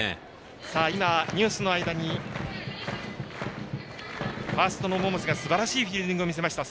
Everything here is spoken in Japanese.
今、ニュースの間にファーストの百瀬がすばらしいフィールディングを見せました。